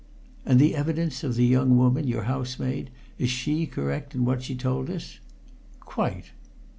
"And the evidence of the young woman, your housemaid? Is she correct in what she told us?" "Quite!"